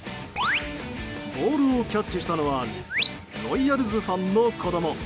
ボールをキャッチしたのはロイヤルズファンの子供。